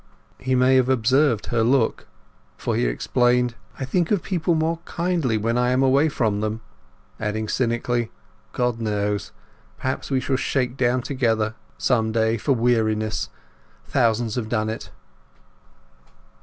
He may have observed her look, for he explained— "I think of people more kindly when I am away from them"; adding cynically, "God knows; perhaps we will shake down together some day, for weariness; thousands have done it!"